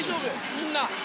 みんな。